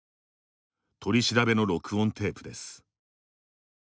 取り調べの録音テープです。